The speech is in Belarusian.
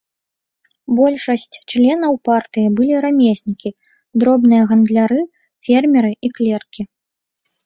Большасць членаў партыі былі рамеснікі, дробныя гандляры, фермеры і клеркі.